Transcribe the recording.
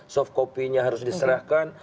soft copy nya harus diserahkan